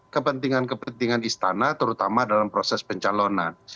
kepentingan kepentingan istana terutama dalam proses pencalonan